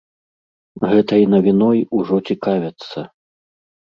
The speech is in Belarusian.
Гэтай навіной ужо цікавяцца.